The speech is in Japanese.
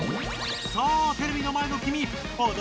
さあテレビの前のきみ！